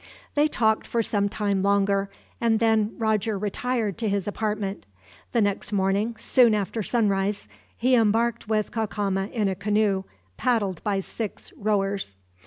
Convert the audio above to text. They talked for some time longer, and then Roger retired to his apartment. The next morning, soon after sunrise, he embarked with Cacama in a canoe, paddled by six rowers.